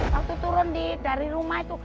waktu turun dari rumah itu